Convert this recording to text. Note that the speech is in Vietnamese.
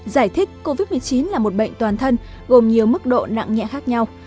giải thích covid một mươi chín là một bệnh toàn thân gồm nhiều mức độ nặng nhẹ khác nhau